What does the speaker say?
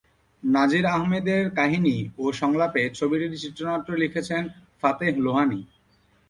নাজির আহমদের কাহিনী ও সংলাপে ছবিটির চিত্রনাট্য লিখেছেন ফতেহ লোহানী।